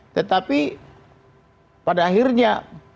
tetapi pada akhirnya